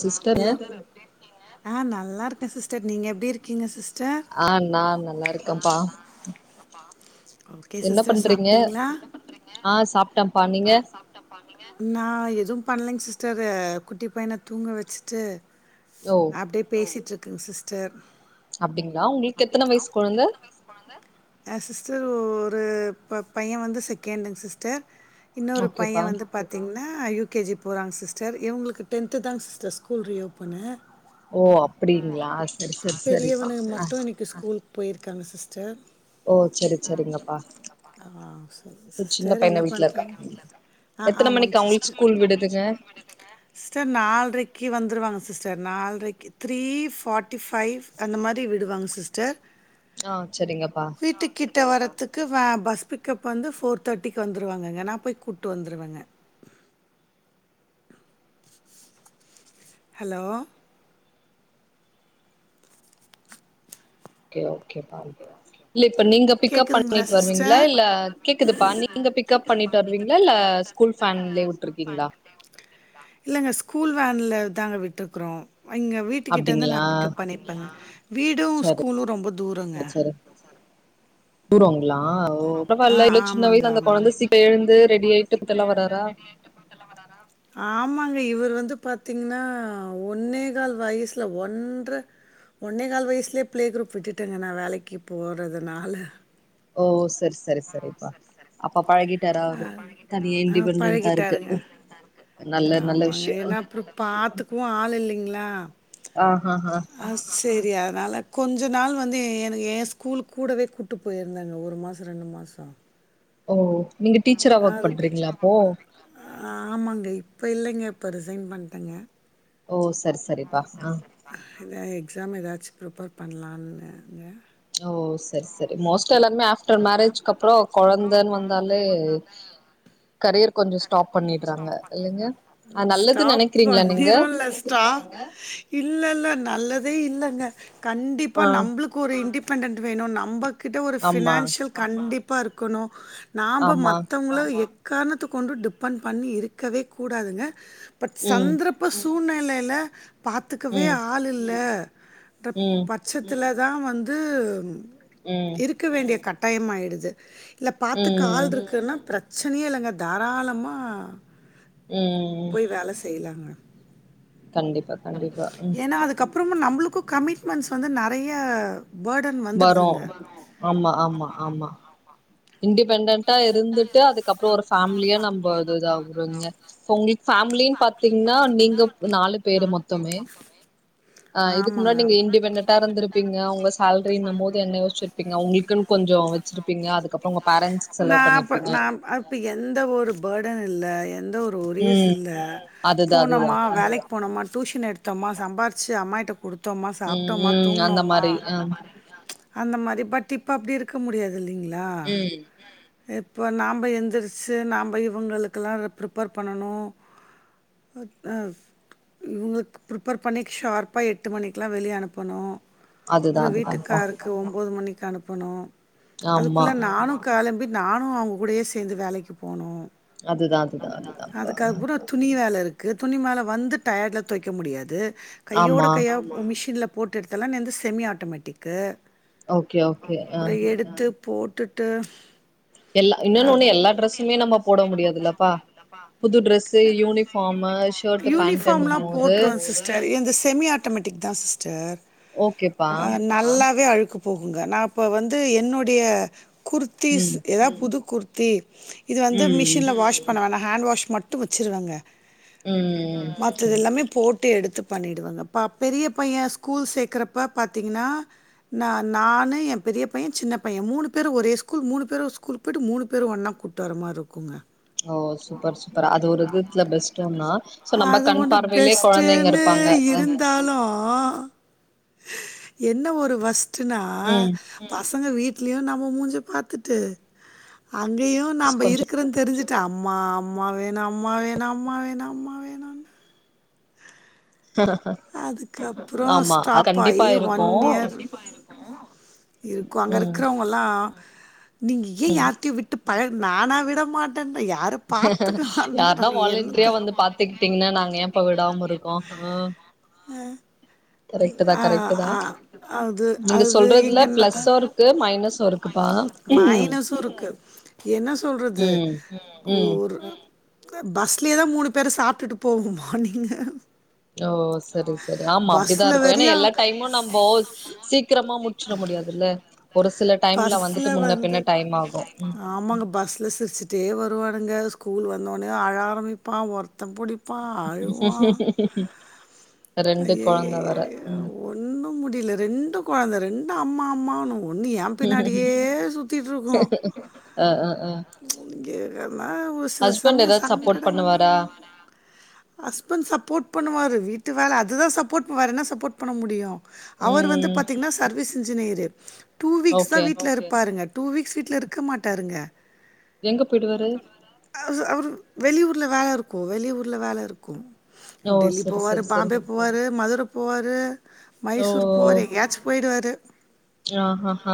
Sister hello அ நல்லா இருக்க சிஸ்டர் நீங்க எப்டி இருக்கீங்க சிஸ்டர் அ நா நல்லாருக்கப்பா ஓகே சிஸ்டர் பண்றீங்க சாப்ட்டீங்ளா ஆ சாப்ட்டப்பா நீங்க நா எது பண்லங்க சிஸ்டர் குட்டி பையன தூங்க வச்சுட்டு ஓ அப்டியே பேசிட்ருக்க சிஸ்டர் அப்டிங்களா உங்ளுக்கு எத்தன வயசு கொழந்த ஆ சிஸ்டர் ஒ ஒரு ப பைய வந்து செகண்டுங் சிஸ்டர் இன்னொரு பைய ஓகேப்பா வந்து பாத்தீங்னா யூ கே ஜி போறாங்க சிஸ்டர் இவ்ங்களுக்கு டென்த்து தாங் சிஸ்டர் ஸ்கூல் ரியோப்பனு ஓ அப்டிங்களா சரி சரி சரிப்பா பெரியவன ஆ மட்டு இன்னைக்கு கு ஸ்கூல்க்கு போயிருக்காங்க சிஸ்டர் ஓ சேரி சேரிங்கப்பா ஆ சரி ம் சின்ன சிஸ்டர் என்ன பையனு வீட்ல இருக்கா பண்றீங்க ஆ எத்தன ஆமாங்க மணிக்கு அவ்ங்களுக்கு சிஸ்டர் ஸ்கூல் விடுதுங்க சிஸ்டர் நால்ரைக்கு வந்துருவாங்க சிஸ்டர் நால்ரைக்கு த்ரீ ஃபார்ட்டி ஃபைவ் அந்த மாரி விடுவாங்க சிஸ்டர் ஆ செரிங்கப்பா வீட்டுக்கிட்டே வரத்துக்கு வ பஸ் பிக்கப் வந்து ஃபோர் தேர்ட்டிக்கு வந்துருவாங்கங்க நா போய் கூ கூட்டு வந்துருவங்க ஹலோ ஓகே ஓகே பா இல்ல இப்ப நீங்க பிக்கப் கேக்குதுங்களா பண்ணிட்டு வருவீங்ளா சிஸ்டர் இல்ல கேக்குதுப்பா நீங்க பிக்கப் பண்ணிட்டு வருவீங்ளா இல்ல கூல் ஃபேன்லே வுட்டுருக்கீங்ளா இல்லங்க ஸ்கூல் வேன்ல தாங்க விட்ருக்குறோ அங்க வீட்டுக்கிட்ட வந்து நா அப்டிங்களா பிக்கப் பண்ணிப்பேங்க வீடு சரி ஸ்கூலு ரொம்ப தூரங்க தூரங்ளா ஓ ஆ பரவால்ல இவ்ளோ சின்ன ஆமாங்க வயசுல அந்த ஆமாங்க கொழந்த சீக்கிர எழுந்து ரெடி ஆயிட்டு பத்தெல்லா வராறா [unintelligible] வராறா ஆமாங்க இவரு வந்து பாத்தீங்னா ஒன்னே கால் வயசுல ஒன்ற ஒன்னே கால் வயசுலே பிளே குரூப் விட்டுட்டேங்க நா வேலைக்கு போறதுனால ஓ செரி செரி செரிப்பா அப்ப பழகிட் டாரு அ அவரு ஆமா பழகிட்டாரா? தனியா ஆ அது பெரிய இண்டிபெண்டன்ட்டா இருக்க பழகிட்டாருங்க. ம் டிஃப்ரென்ஸ் நல்ல நல்ல விஷ்ய பாத்துக்கவு ஆள் இல்லைங்ளா ஆ ஹ ஹ ஆ சேரி அதனால கொஞ்ச நாள் வந்து எனக்கு எ ஸ்கூலுக்கு கூடவே கூட்டு போயிருந்தேங்க ஒரு மாச ரெண்டு மாச ஓ நீங்க டீச்சரா ஒர்க் அதுக்கு பண்றீங்ளா டீச்சரா அப்போ வொர்க் பண்றீங்களா? ஆமாங்க இப்ப இல்லைங்க இப்ப ரிசைன் பண்ட்டேங்க ஓ சரி சர் அதா எக்ஸாம் எதாச்சு பிரிப்பேர் பண்ணலான்னுங்க ஓ சரி ஓ சரி செரி மோஸ்ட்டா செரி எல்லாருமே மோஸ்ட்டா ஆஃப்டர் எல்லாருமே மேரேஜ்க்கு ஆஃப்டர் அப்றோ மேரேஜ்க்கு அப்றோ கொழந்தன்னு வந்தாலே கொழந்தன் வந்தாலே கரியர் கொஞ்சோ ஸ்டாப் அ பண்ணிடுறாங்க இல்லைங்க அ நல்லது ஸ்டாப் நெனைக்கிறீங்களா நீங்க பண்ணிருல்ல ட்றா இல்ல இல்ல நல்லதே இல்லங்க கண்டிப்பா ஆ நம்பளுக் கு ஒரு இண்டிபெண்டன்ட் வேணு நம்பகிட்ட ஒரு ஆமா ஃபினான்ஷியல் கண்டிப்பா இருக்கணு நாம்ப ஆமா மத்தவ்ங்கள எக்காரணத்த கொண்டு டிபெண்ட் பண்ணி இருக்கவே கூடாதுங்க பட் ம் சந்திரப்ப சூழ்நிலைல பாத்துக்கவே ம் ஆள் இல்ல ன்ற ம் பச்சத்துல தா வந்து ம் இருக்க வேண்டிய கட்டாயம் ஆயிடுது இல்ல பாத்துக்கு ஆள் ம் இருக்குனா பிரச் ச்சனைய இல்லங்க தாராளமா ம் போய் வேல செய்லாங்க கண்டிப்பா கண்டிப்பா ம் அப்றமா நம்பளுக்கு கமிட்மெண்ட்ஸ் வந்து நெறையா பேர்டன் வரு வந்துடுதுங்க ஆமா ஆமா ஆமா இண்டிபெண்டன்டா இருந்துட்டு அதுக்கப்ற ஒரு ஃபேமிலியா நம்ப இதுதாவுறங்க உங்களுக்கு பேமிலின் பாத்தீங்கனா நீங்க நாலு பேரு மொத் தமே அ இதுக்கு ஆமாங்க முன்னாடி நீங்க ஆமாம் இண்டிபெண்டன்டா இருந்து பீங்க உங்க சேலரின்ன போது என்ன யோச்சிருப்பீங்க உங்களுக்குன்னு கொஞ்சோ வச்சிருப்பீங்க அதுக்கப்றோ பேரண்ட்ஸ்க்கு செலவு நான் இப்போ பண்ணிருப்பீங்க நான் இப்போ எந்த ஒரு பேர்டன் இல்ல எந்த ஒரு ஒரியீஸ் ம் இல்ல அதுதா அதுதா போனோமா வேலைக்கு போனோமா டியூஷன் எடுத்தோமா சம்பாரிச்சு அம்மாயிட்ட குடுத்தோமா ம் சாப்டோமா ம் அந்த தூங்னோமா மாரி ஆ அந்த மாரி பட் இப்ப அப்டி இருக்க முடியாது இல்லிங்ளா ம் இப்போ நாம்ப எந்திரிச்சு நம்ம இவங்களுக்கெல்லா ரி ப்ரிப்பேர் பண்ணனு அ இவங்களுக் ப்ரிப்பேர் பண்ணி ஷார்ப்பா எட்டு மணிக்கெல்லா வெளிய அனுப்பணு அதுதா அப்ற அதுதான்ப்பா வீட்டுக்காருக்கு ஒன்பது மணிக்கு அனுப்பணு ஆமா அதுக்குள்ள நானு கெளம்பி நானு அவங்க கூடயே சேந்து வேலைக்கு போனு அதுதா அதுதா அதுதான்ப்பா அதுக்கப்ற துணி வேலை இருக்கு துணி மேல வந்து டயர்ட்ல துவைக்க முடியாது கையோடு ஆமா கையா ஒரு மிஷின்ல போட்டு எடுத்தன்னா எந்து செமி ஆட்டோமேட்டிக்கு ஓகே ஓகே ஆ அப்ற எடுத்து போட்டுட்டு எல்லா இன்னொன்னு ஒண்ணு எல்லா டிரெஸ்மே நம்ம போட முடியாதுல்லப்பா புது ட்ரெஸ்ஸு யூனிஃபார்மு ஷர்ட்டு யூனிஃபார்ம்ல்லா பேண்ட்டுன்னும் போது போட்ருவ சிஸ்டர் எந்து செமிய ஆட்டமெட்டிக் தா சிஸ்டர் ஓகேப்பா அ நல்லாவே அழுக்கு போகுங்க நா இப்ப வந்து என்னுடைய குர்த்திஸ் ம் எதாவது புது குர்த்தி இது வந்து ம் மிஷின்ல வாஷ் பண்ணவேணா ஹேண்ட் வாஷ் மட்டு வச்சுருவங்க ம் மத்ததுல்லாமே போட்டு எடுத்து பண்ணிடுவங்க பா பெரிய பையன் ஸ்கூல் சேக்றப்ப பாத்தீங்கனா நா நானு என் பெரிய பைய சின்ன பைய மூணு பேரு ஒரே ஸ்கூல் மூணு பேரு ஸ்கூல் போயிட்டு மூணு பேரு ஒன்னா கூட்டுவர மாரி இருக்குங்க ஓ சூப்பர் சூப்பர் அது ஒரு விதத்துல பெஸ்ட்டுந்தா சோ நம்ம அது கண் ஒன்னு பார்வையிலே பெஸ் கொழந்தைங்க ட்டுனு இருப்பாங்க இருந் தாலு என்ன ஒரு வஸ்ட்ன்னா ம் பசங்க வீட்லயு நம்ம மூஞ்ச பாத்துட்டு அங்கயு நாம்ப இரு கொஞ்சோ க்கிறு தெரிஞ்சுட்டு அம்மா அம்மா வேணு அம்மா வேணு அம்மா வேணு அம்மா வேணு அதுக்கப்பற ஆமா அது ஸ்டாப் ஆயி கண்டிப்பா ஒன் இருக்கு இயர் இருக்கு அங்க ம் இருக்கிறவங்கல்லா நீங்க ஏன் ம் யாரிட்டையு விட்டு பழகுனா நா விட மாட்டன்ட்ட யாரு யாருன்னா வாலண்ட்ரியா வந்து பாத்துக்கிட்டீங்கனா நாங்க ஏம்ப்பா விடாம இருக்கோ அ அ கரெக்ட்டு தா கரெக்ட்டு தா அது நீங்க அது சொல்றதுல எங்க பிளஸ்ஸு இருக்கு மைனஸு இருக்குப்பா ம் மைனஸ்ஸு இருக்கு என்ன சொல்றது ம் ம் ஒரு பஸ்லேயேதா மூணு பேரு சாப்ட்டுட்டு போவோ மார்னிங்க ஓ செரி செரி ஆமா அப்டிதா பஸ்ல ஆமா இருக்கு ஏன்னா வரையா எல்லா டைமு நம்போ சீக்கிரமா முடிச்சிட முடியாதுல்ல ஒரு சில டைம்ல பஸ்ல வந்துட்டு வேற எல்லா பஸ்ல முன்ன வந்து பின்ன டைம் ஆகு ஆமாங்க பஸ்ஸுல சிரிச்சுட்டே வருவானுங்க ஸ்கூல் வந்தோனே அழ ஆரமிப்பா ஒருத்த புடி பா அழுவா ரெண்டு கொழந்த வேற ஐய்யய்யயோ ம் ஒன்னு முடில ரெண்டு கொழந்த ரெண்டு அம்மா அம்மானு ஒன்னு எ பின்னாடியே சுத்திட்ருக்கு அ அ அ [unintelligible] ஒரு சில ஹஸ்பண்ட் சமயோ ஏதாது சப்போர்ட் சங்கடமா பண்ணுவாரா ஹஸ்பண்ட் சப்போர்ட் பண்ணுவாரு வீட்டு வேல அதுதா சப்போர்ட் வேற என்ன சப்போர்ட் பண்ண முடியு அவரு வந்து ம் பாத்தீங்னா சர்வீஸ் இன்ஜினியரு டூ வீக்ஸ் தா ஓகே வீட்ல இருப்பாருங்க டூ வீக்ஸ் வீட்லருக்க மாட்டாருங்க எங்க போய்டுவாரு அவரு வெளியூர்ல வேல இருக்கு வெளியூர்ல வேல இருக்கு ஓ டெல்லி சரி போவாரு சரி சரி பாம்பே போவாரு மதுர போவாரு ஓ மைசூர் போவாரு எங்யாச்சு போய்டுவாரு ஆ ஹ ஹ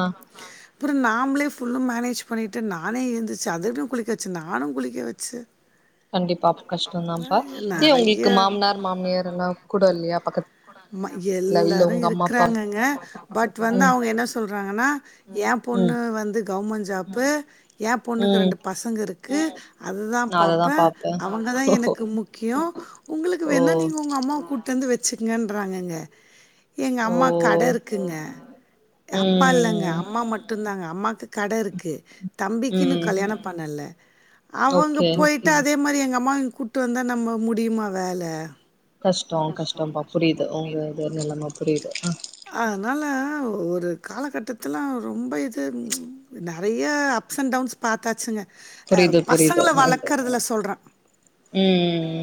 [inaudible] அப்றோ நாம்ளே ஃபுல்லா மேனேஜ் பண்ணிட்டு நானே எந்துச்சு அதுட்டு குளிக்க வச்சு நானு குளிக்க வச்சு ஆ [inaudible] கண்டிப்பா கஷ்டோந்தாப்பா ஏ உங்ளுக்கு நெறைய மாம்னார் மாமியார்ல்லா கூட இல்லயா பக்கத் ம எல்லாரு இருக்றாங்கங்க பட் வந்து ம் அவுங்க என்ன சொல்றாங்கன்னா ஏ பொண்ணு ம் வந்து கவ்மன்ட் ஜாப்பு எ பொண்ணுக்கு ம் ரெண்டு பசங்கருக்கு அது தா நா அததா பாப்பே அவங்க தா எனக்கு முக்கியோ உங்களுக்கு வேணா ஓ நீங்க உங்க அம்மாவ கூட் ட்டு வந்து வச்சுங்கன்றாங்கங்க எங்க ஓ அம்மா கட இருக்குங்க அப்பா இல்லங்க ம் அம்மா மட்டுந்தாங்க அம்மாக்கு கட இருக்கு தம்பிக்கு இன்னு ம் கல்யாணோ பண்ணல அவங்க ஓகே போய் ட்டு அதே மாரி எங்கம்மாவ இங்க கூட்டு வந்தா நம்ம முடிமா வேல கஷ்டோ கஷ்டோப்பா புரிது உங்கது நெலம புரிது அதனால ஒரு காலகட்டத்துல ரொம்ப இது நறைய அப்ஸண்ட் டவுன்ஸ் பாத்தாச்சுங்க ஆ புரியுது பசங்கள வளக்றதுல சொல்றே ம் ம் ம்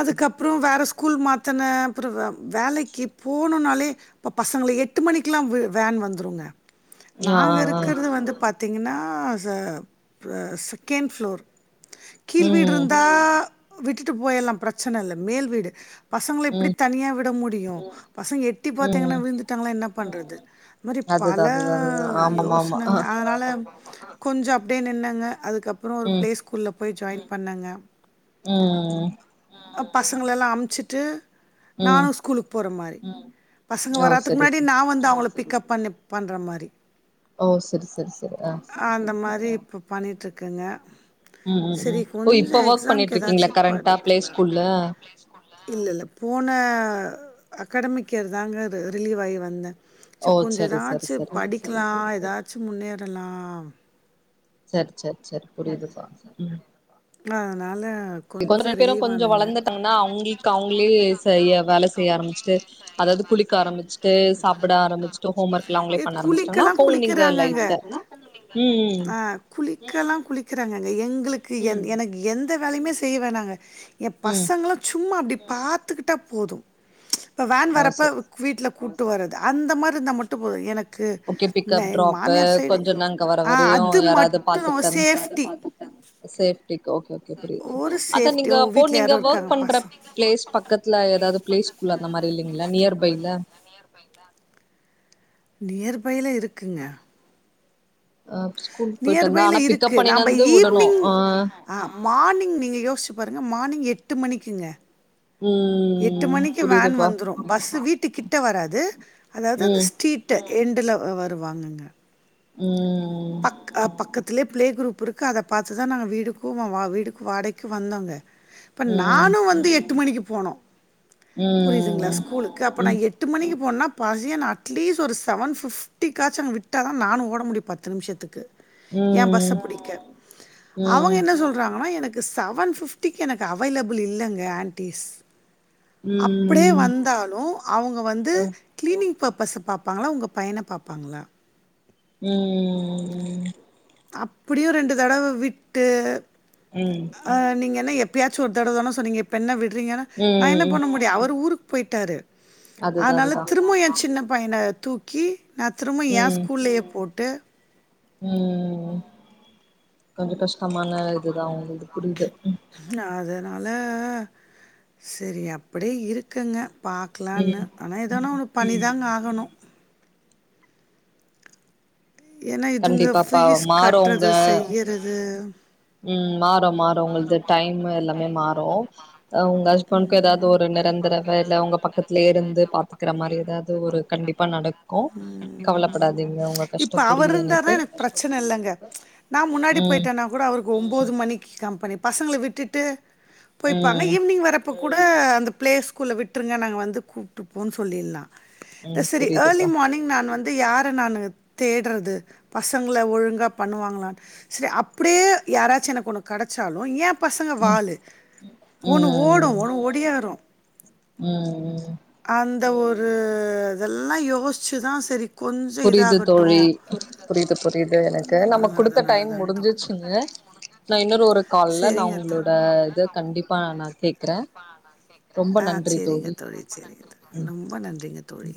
அதுக்கப்றோ வேற ஸ்கூல் மாத்துனே அப்றோ வே வேலக்கி போனுனாலே இப்ப பசங்கள எட்டு மணிக்ல்லா வேன் வந்துருங்க ஆ நாங்க ஆ ஆ இருக்றது வந்து பாத் தீங்கனா ச ப செகண்ட் ஃப்ளோர் கீழ் ம் வீட்ருந்தா விட்டுட்டு போய்ரல்லா பிரச்சனல்ல மேல் வீடு பசங்ள எப்டி ம் தனியா விட முடியு பசங்க எட்டி ம் பாத்தாங்கன்னா விழுந்துட்டாங்கனா என்ன பண்றது இது மாரி அதுதா பல அதுதா அதுதா ஆமாமாமா ஆ யோசனங்க அதனால கொஞ்சொ அப்டியே நின்னேங்க அதுக்கப்றோ ஒரு ம் பிளே ஸ்கூல்ல போய் ஜாய்ன் பண்ணங்க ம் பசங்களலா அம்ச்சுட்டு ம் நானு ஸ்கூலுக்கு போற மாரி பசங்க ஓ வராத்துக்கு செரி முன்னாடி செரி நா வந்து அவுங்கள பிக்கப் பண்ணி பண்ற மாரி ஓ செரி செரி செரி ஆ ஆ அந்த மாரி இப்ப பண்ணிட்ருக்கேங்க ம் ம் செரி ம் ஓ கொஞ்சொ இப்ப ஒர்க் எக்ஸாம்க்கு எதாச்சு பண்ணிட்ருக்கீங்களா கரண்ட்டா பிளே படிக்கலா ஸ்கூல்ல இல்லெல்ல போன அகடாமிக்கியர் தாங்க ரிலீவ் ஆயி வந்தே சே ஓ கொஞ்ச செரி செரி எதாச்சு செரி படிக்லா எதாச்சு முன்னேறலா செர் செர் செர் அதனால கொழந்த கொஞ்சோ ரெண்டு பேரு ரிலீவ் கொஞ்சோ ஆனங்க வளந்துட்டாங்ன்னா அவுங்ளு க்கு அவுங்ளே செய்ய வேல செய்ய ஆரம்பிச்ட்டு அதாவ்து குளிக்க ஆரம்பிச்சு இது சாப்ட ஆரம்பிச்ட்டு ஹோம் ஒர்க் லா அவ்ங்ளே பண்ண ஆரம்பிச்ட்டாங்க நா ஃபோன் சாப்பிட இங்க லைட்டா ஆரம்பிச்சுட்டாங்க ம் ஆ குளிக்கல்லா குளிக்குறாங்கங்க எங்ளுக்கு என் ம் எனக் எந்த வேலையுமே செய்ய வேணாங்க ஏ ம் பசங்கள சும்மா அப்டி பாத்துக்கிட்டா போது இப்ப வேன் ஓ வர்றப்ப சரி வீட்ல கூட்டு வர்றது அந்த மாரி இருந்தா மட்டு போது எனக் கு ஓகே இந்த பிக்கப் எங்க ட்ராப்பு மாமியார் சைடு கொஞ்சம் நாங்க வர ஆ வரையும் அது யாராவது மட்டு பாத்துக்கிட்டாங்க சேஃப்டி சேஃப்டிக்கு ஓகே ஓகே புரியுது ஒரு அத சேஃப்டி நீங்க ஓ அப்போ வீட்ல யாரோ நீங்க ஓர்க் இருக்காங்க பண்ற பசங்க பிளேஸ் பக் கத்துல ஏதாவது பிளே ஸ்கூல் அந்த மாரி இல்லங்களா நியர் பைல நியர் பைல இருக்குங்க ஆ ஸ்கூல்க்கு போய்ட்டு வந்தா நியர்பைல ஆனா பிக்கப் இருக்கு பண்ணினு நாம்ப வந்து விடணு ஈவினிங் ஆ ஆ மார்னிங் நீங்க யோஸ்ச்சி பாருங்க மார்னிங் எட்டு மணிக்கிங்க ம் எட்டு மணிக்கு வேன் புரியுதுப்பா வந்துரு பஸ்ஸு வீட்டுக்கிட்ட வராது அதாவது ம் அந்த ஸ்ட்ரீ ட் எண்டுல வ வருவாங்கங்க ம் ம் பக் பக்கத்லே ப்ளே குரூப் இருக்கு அத பாத்து தா நாங்க வீடுக்கு வா வீடுக்கு வாடைக்கு வந்தோங்க இப்ப ம் நானு வந்து எட்டு மணிக்கு போனு புரியிதுங்களா ம் ஸ்கூலுக்கு அப்ப ம் நா எட் டு மணிக்கு போனன்னா பசியனா அட்லீஸ்ட் ஒரு செவன் ஃபிஃப்டி காச்சு அங்க விட்டா தா நானு ஓட முடியு பத்து நிம்ஷத்துக்கு ஏ ம் ம் பஸ்ஸ பிடிக்க அவங்க ம் என்ன சொல்றாங்ன்னா எனக் கு செவன் ஃபிஃப்டிக்கு எனக்கு அவைலபிள் இல்லங்க ஆன்ட்டீஸ் அப்டியே வந்தாலு அவுங்க வந்து அ கிளீனிங் பர்ப்பஸை பாப்பாங்களா உங்க பையன பாப்பாங்களா ம் ம் ம் அப்டியு ரெண்டு தடவ விட்டு ம் ஆ நீங்க என்ன எப்யாச்சு ஒர் தடவ தானா சொன்னீங்க இப்ப என்ன விட்றீங்கன்னா நா என்ன ம் பண்ண முடியு அவர் ஊருக்கு போய்ட்டாரு அதுதா அதனால அதுதா திரும்ப ஏ சின்ன பையன தூக்கி நா திரும்ப ஏ ஸ்கூல்லயே போட்டு ம் ம் ம் கொஞ்ச கஷ்டமான இதுதா உங்களுது புரியுது நா அதனால செரி அப்டியே இருக்குங்க பாக்லான்னு ம் ஆனா ஏதோன்னு ஒன்று ம் பண்ணிதாங்க ஆகணு ஏன்னா இதுங்க கண்டிப்பாப்பா ஃபீஸ் மாறு உங்க கட்றது செய்யறது ம் மாறு மாறு உங்களது டைம் எல்லாமே மாறு ஆ உங்க ஹஸ்பண்ட்க்கு ஏதாவது ஒரு நிரந்தர வேலை உங்க பக்கத்லே இருந்து பாத்துக்குற மாறி எதாது ஒரு கண்டிப்பா நடக்கு கவலப்படாதீங்க உங்க இப்ப கஷ்டோ அவர் புரியுது எனக்கு இருந்தார்னா எனக் ப்ரச்சன இல்லங்க நா முன்னாடி ம் போய்ட்டன்னா கூட அவரு ஒம்போது மணிக்கு கம்பெனி பசங்கள விட்டுட்டு போய்ப்பாங்க ம் ஈவ்னிங் வர்ற ப்ப கூட அந்த பிளே ஸ்கூல்ல விட்ருங்க நாங்க வந்து கூப்ட்டுப்போன்னு சொல்லில்லா இது ம் செரி இயர்லி புரியுதுப்பா மார்னிங் நான் வந்து யார நானு தேட்றது பசங்ள ஒழுங்கா பண்ணுவாங்களான்னு செரி அப்டியே யாராச்சு எனக்கு ஒண்ணு கெடச்சாலு ஏ பசங்க ம் வாலு ஒன்ணு ஓடு ம் ஒன்ணு ஒடியாரு ம் ம் அந்த ஒரு இதெல்லா யோஸ்ச்சிதா செரி புரியுது தோழி புரிய்து புரிய்து எனக்கு அதனால நமக்கு குடுத்த அதனால டைம் தான் தோழி. முடிஞ்சிற்ச்சுங்க நா இன்னொரு ஒரு கால்ல நா சரிங்க தோ உங்ளோட இத கண்டிப்பா நா கேக்குறே ரொம்ப ஆ நன்றி சேரிங்க தோழி சேரிங்க தோழி ம் நொம்ப நன்றிங்க தோழி